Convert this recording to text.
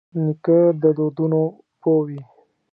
نیکه د دودونو پوه وي.